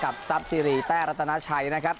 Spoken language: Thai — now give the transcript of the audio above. ทรัพย์ซีรีสแต้รัตนาชัยนะครับ